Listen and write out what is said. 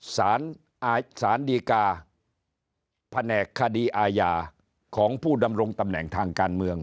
สารดีกาแผนกคดีอาญาของผู้ดำรงตำแหน่งทางการเมือง